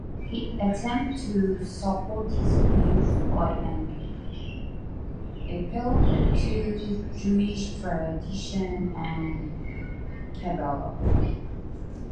He attempted to support his views by an appeal to Jewish tradition and Kabbalah.